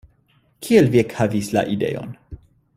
Kiel vi ekhavis la ideon?